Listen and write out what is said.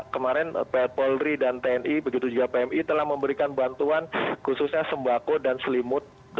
kemarin polri dan tni begitu juga pmi telah memberikan bantuan khususnya sembako dan selimut